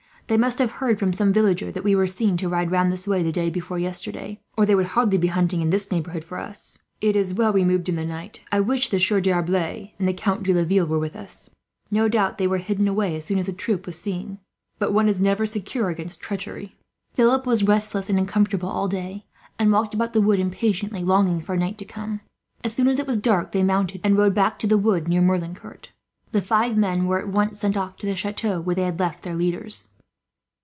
"They must have heard from some villager that we were seen to ride round this way, the day before yesterday, or they would hardly be hunting in this neighbourhood for us. It is well we moved in the night. "I wish the Sieur D'Arblay and the Count de Laville were with us. No doubt they were hidden away, as soon as the troop was seen, but one is never secure against treachery." Philip was restless and uncomfortable all day, and walked about the wood, impatiently longing for night to come. As soon as it was dark they mounted, and rode back to the wood near Merlincourt. The five men were at once sent off to the chateau where they had left their leaders.